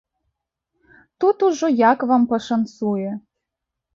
Тут ужо як вам пашанцуе.